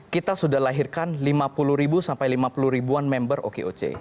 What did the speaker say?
kita sudah lahirkan lima puluh sampai lima puluh ribuan member okoc